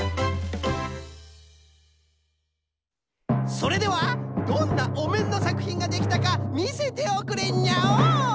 それではどんなおめんのさくひんができたかみせておくれにゃおん。